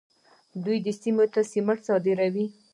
دوی سیمې ته سمنټ صادروي.